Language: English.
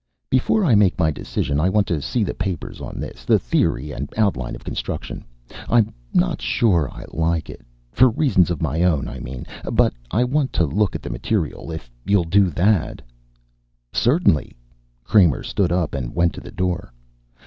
"Before I make my decision I want to see the papers on this, the theory and outline of construction. I'm not sure I like it. For reasons of my own, I mean. But I want to look at the material. If you'll do that " "Certainly." Kramer stood up and went to the door.